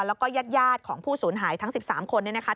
แล้วก็ญาติของผู้สูญหายทั้ง๑๓คนเนี่ยนะคะ